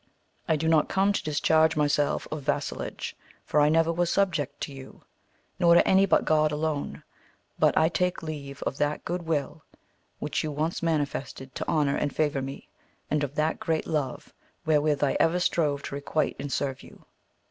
I do not come to discharge myself of vassallage, for I never was subject to you, nor to any but God alone ; but I take leave of that good will which you once manifested to honour and favour me, and of that great love wherewith I ever strove to requite and serve you.